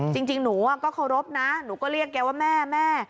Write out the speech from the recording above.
จริงหนูก็เคารพนะหนูก็เรียกแกว่าแม่แม่